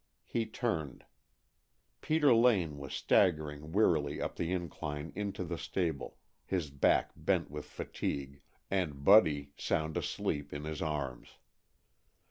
He turned. Peter Lane was staggering wearily up the incline into the stable, his back bent with fatigue, and Buddy, sound asleep, in his arms.